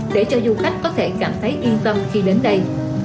để cho du khách có thể cảm thấy yên tâm khi đến đây